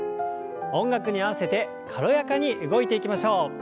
音楽に合わせて軽やかに動いていきましょう。